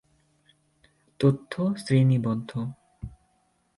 তথ্য শ্রেণিবদ্ধ।